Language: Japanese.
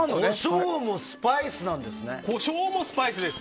コショウもスパイスです。